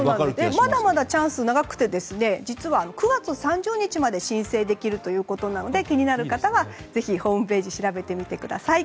まだまだチャンス長くて９月３０日まで申請できるので気になる方はホームページを調べてみてください。